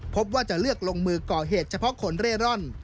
พบว่าจะเลือกลงมือก่อเหตุเฉพาะคนเร่ร่อน